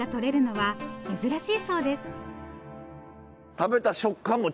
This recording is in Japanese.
はい。